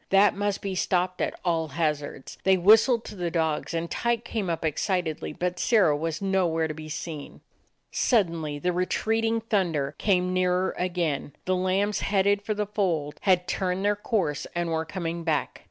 That must be stopped at all hazards. They whistled to the dogs, and Tyke came up excitedly; but Sirrah was no where to be seen. Suddenly the retreating thunder came nearer again. The lambs headed for the fold had turned their course and were coming back.